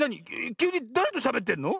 きゅうにだれとしゃべってんの？